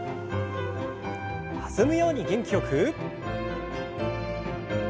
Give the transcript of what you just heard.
弾むように元気よく。